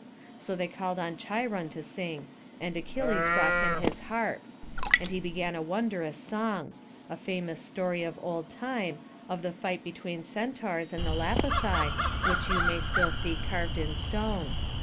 So they called on Cheiron to sing, and Achilles brought him his harp; and he began a wondrous song; a famous story of old time, of the fight between Centaurs and the Lapithai, which you may still see carved in stone.